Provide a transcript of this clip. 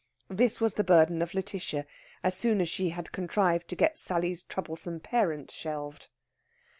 This was the burden of Lætitia, as soon as she had contrived to get Sally's troublesome parent shelved.